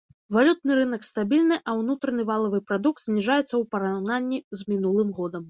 Валютны рынак стабільны а ўнутраны валавы прадукт зніжаецца ў параўнанні з мінулым годам.